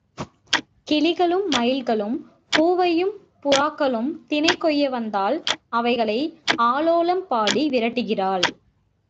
கிளிகளும், மயில்களும், பூவையும் புறாக்களும் தினை கொய்ய வந்தால் அவைகளை ஆலோலம் பாடி விரட்டுகிறாள்.